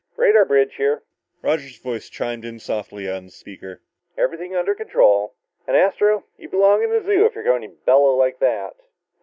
"Radar bridge here," Roger's voice chimed in softly on the speaker. "Everything under control. And, Astro, you belong in a zoo if you're going to bellow like that!"